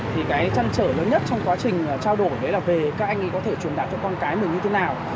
thì cái chăn trở lớn nhất trong quá trình trao đổi với là về các anh ấy có thể truyền đạt cho con cái mình như thế nào